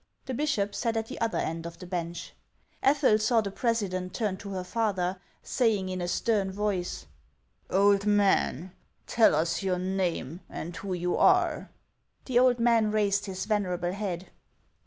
The bishop sat at the other end of the bench. Ethel saw the president turn to her father, saying in a stern voice: "Old man, tell us your name, and who you are." The old man raised his venerable head.